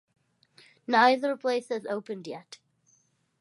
Neither place has opened yet.